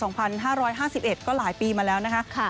ตอนนั้นมีการถ่ายทำละครซิตคอมเรื่องบางรักสอยก้าวอยู่